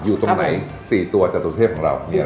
อยู่ตรงไหนสี่ตัวจตุรเทศของเรานี่อะไรปะ